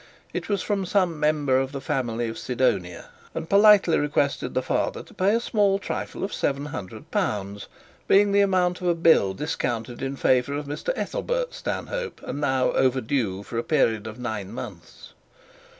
It was from some member of the family of Sidonia, and politely requested the father to pay a small trifle of L 700, being the amount of a bill discounted in favour of Mr Ethelbert Stanhope, and now overdue for a period of nine months.